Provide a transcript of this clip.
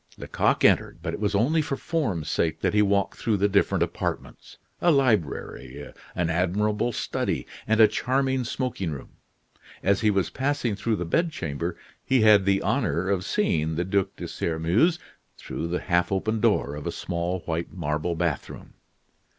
Lecoq entered, but it was only for form's sake that he walked through the different apartments; a library, an admirable study, and a charming smoking room. As he was passing through the bed chamber, he had the honor of seeing the Duc de Sairmeuse through the half open door of a small, white, marble bath room.